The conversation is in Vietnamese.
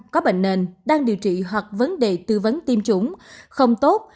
có bệnh nền đang điều trị hoặc vấn đề tư vấn tiêm chủng không tốt